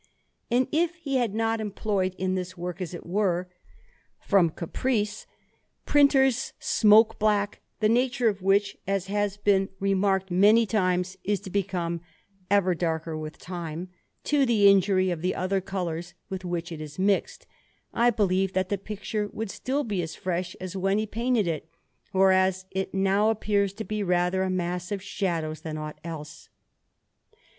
And if he had not employed in this work, as it were from caprice, printer's smoke black, the nature of which, as has been remarked many times, is to become ever darker with time, to the injury of the other colours with which it is mixed, I believe that the picture would still be as fresh as when he painted it; whereas it now appears to be rather a mass of shadows than aught else.